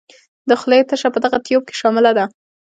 د خولې تشه په دغه تیوپ کې شامله ده.